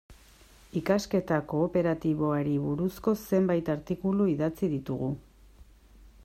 Ikasketa kooperatiboari buruzko zenbait artikulu idatzi ditugu.